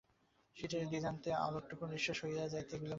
শীতের দিনান্তের আলোকটুকু নিঃশেষ হইয়া যাইতে বিলম্ব হইল না।